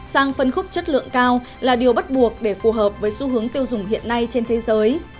sang phân khúc chất lượng cao là điều bắt buộc để phù hợp với xu hướng tiêu dùng hiện nay trên thế giới